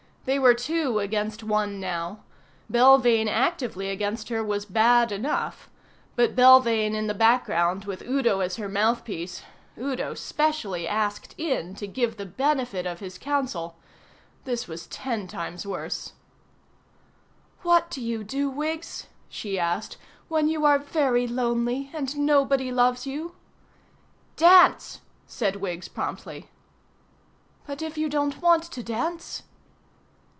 They were two against one now. Belvane actively against her was bad enough; but Belvane in the background with Udo as her mouthpiece Udo specially asked in to give the benefit of his counsel this was ten times worse. "What do you do, Wiggs?" she asked, "when you are very lonely and nobody loves you?" "Dance," said Wiggs promptly. "But if you don't want to dance?"